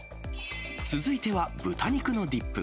続いては豚肉のディップ。